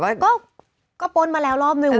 ก็มีแบบก็ปล้นมาแล้วรอบนึง